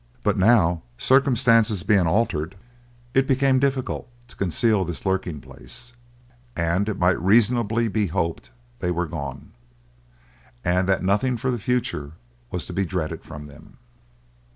But now, circumstances being altered, it became difficult to conceal this lurking place, and it might reasonably be hoped they were gone, and that nothing for the future was to be dreaded from them.